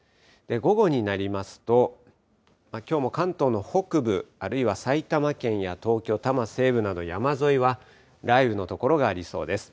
午後になりますと、きょうも関東の北部、あるいは埼玉県や東京・多摩西部など、山沿いは、雷雨の所がありそうです。